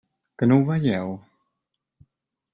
Que no ho veieu?